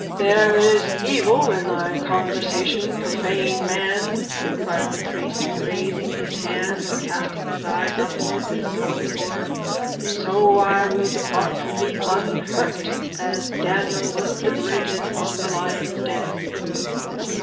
"There is evil in thy conversation, profane man," cried the priest, raising his hands and casting his eyes upwards in holy horror; "so I will depart from thee unhurt, as Daniel was liberated from the lions' den."